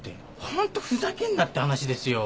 ホントふざけんなって話ですよ。